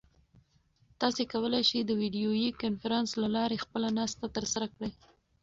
تاسو کولای شئ چې د ویډیویي کنفرانس له لارې خپله ناسته ترسره کړئ.